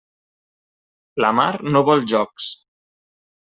La mar no vol jocs.